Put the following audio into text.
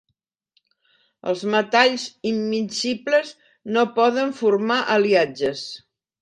Els metalls immiscibles no poden formar aliatges.